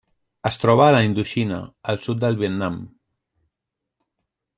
Es troba a la Indoxina: el sud del Vietnam.